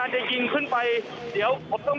เดี๋ยว